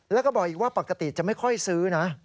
แล้วก็บอกอีกว่าปกติจะไม่ค่อยซื้อนะ